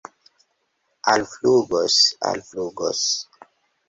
Alflugos, alflugos!